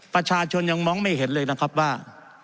ประชาชนยังมองไม่เห็นเลยนะครับว่า